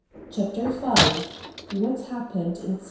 CHAPTER V WHAT HAPPENED IN ST.